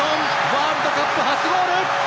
ワールドカップ初ゴール！